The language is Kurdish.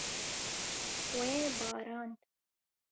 Wê barand.